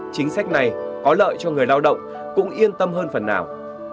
chính sách này có lợi cho người lao động cũng yên tâm hơn phần nào